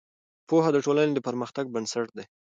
پوهه د ټولنې د پرمختګ بنسټ دی.